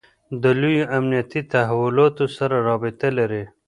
له لویو امنیتي تحولاتو سره رابطه لري.